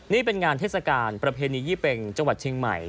นี่เป็นงานเทศกาลประเพณียี่เป็งจังหวัดเชียงใหม่